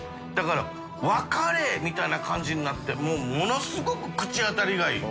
世和カレーみたいな感じになって發ものすごく口当たりがいい。